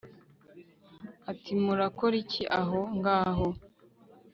ati murakora iki aho ngaho